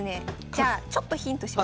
じゃあちょっとヒントします。